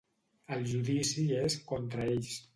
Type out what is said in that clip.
El judici és contra ells